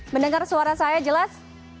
mendengar suara saya jelas